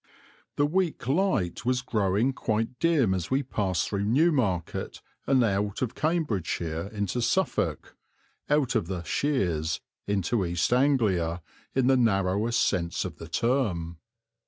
The weak light was growing quite dim as we passed through Newmarket and out of Cambridgeshire into Suffolk out of "the Sheers" into East Anglia, in the narrowest sense of the term.